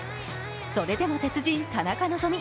それでも鉄人・田中希実。